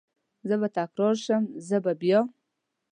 زه به تکرار شم، زه به بیا،